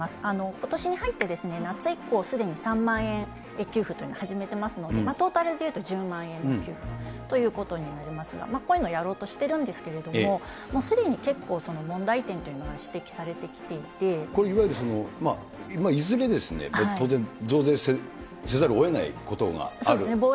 ことしに入って夏以降、すでに３万円給付というのを始めてますので、トータルでいうと１０万円の給付ということになりますが、こういうのをやろうとしているんですけれども、すでに結構問題点というこれ、いわゆるその、いずれ当然増税せざるをえないことがあるわけですよね。